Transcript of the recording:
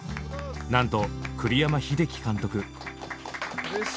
なんと栗山英樹監督。